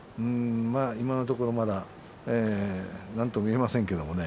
今のところ、まだなんとも言えませんけどね。